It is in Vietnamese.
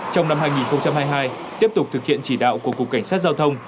trong năm hai nghìn hai mươi hai tiếp tục thực hiện chỉ đạo của cục cảnh sát giao thông